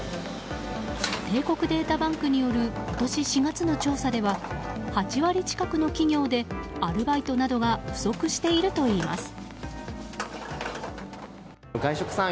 帝国データバンクによる今年４月のデータでは８割近くの企業でアルバイトなどが不足しているといいます。